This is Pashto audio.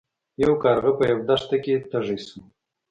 یو کارغه په یوه دښته کې تږی شو.